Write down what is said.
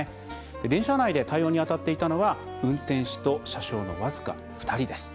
電車内で対応に当たっていたのは運転士と車掌の僅か２人です。